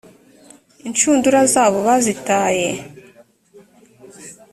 inshundura zabo bazitaye